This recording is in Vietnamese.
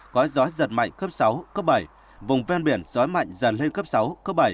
có gió giật mạnh cấp sáu cấp bảy vùng ven biển gió mạnh dần lên cấp sáu cấp bảy